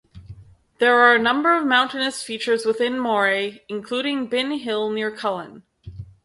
There are a number of mountainous features within Moray, including Bin Hill near Cullen.